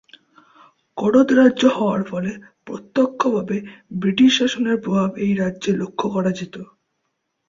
করদ রাজ্য হওয়ার ফলে প্রত্যক্ষভাবে ব্রিটিশ শাসনের প্রভাব এই রাজ্যে লক্ষ্য করা যেত।